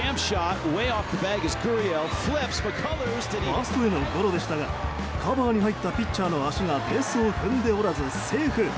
ファーストへのゴロでしたがカバーに入ったピッチャーの足がベースを踏んでおらず、セーフ。